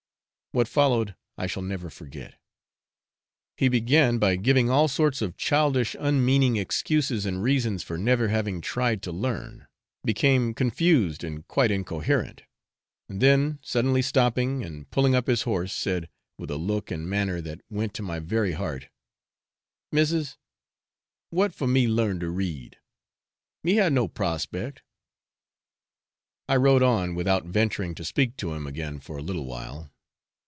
What followed I shall never forget. He began by giving all sorts of childish unmeaning excuses and reasons for never having tried to learn became confused and quite incoherent, and then, suddenly stopping, and pulling up his horse, said, with a look and manner that went to my very heart; 'Missis, what for me learn to read? me have no prospect!' I rode on without venturing to speak to him again for a little while.